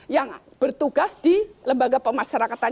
yang bertugas di lembaga pemasyarakatan